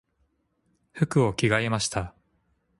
服を着替えました。